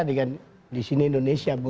dengan disini indonesia